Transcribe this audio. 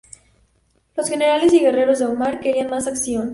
Los generales y guerreros de Omar querían más acción.